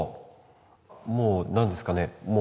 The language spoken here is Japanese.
もう何ですかね